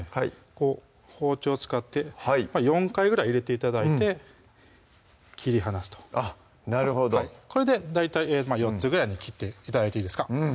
こう包丁を使って４回ぐらい入れて頂いて切り離すとあっなるほどこれで大体４つぐらいに切って頂いていいですか